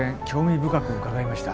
深く伺いました。